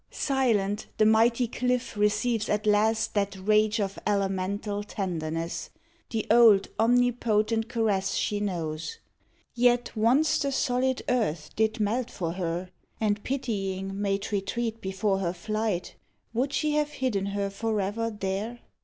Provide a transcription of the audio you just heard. Silent, the mighty cliff receives at last That rage of elemental tenderness, The old, omnipotent caress she knows. Yet once the solid earth did melt for her And, pitying, made retreat before her flight; Would she have hidden her forever there?